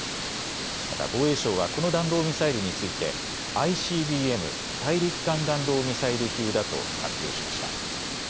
また防衛省はこの弾道ミサイルについてＩＣＢＭ・大陸間弾道ミサイル級だと発表しました。